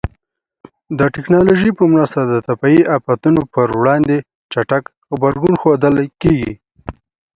د ټکنالوژۍ په مرسته د طبیعي آفاتونو پر وړاندې چټک غبرګون ښودل کېږي.